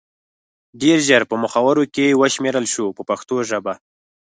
ډېر ژر په مخورو کې وشمېرل شو په پښتو ژبه.